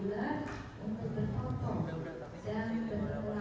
saya juga harus posting di istana bu